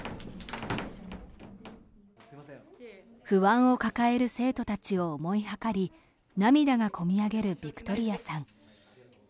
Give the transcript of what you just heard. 不安を抱える生徒たちを思い量り涙が込み上げるビクトリアさん。